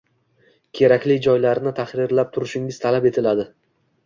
kerakli joylarini tahrirlab turishingiz talab etiladi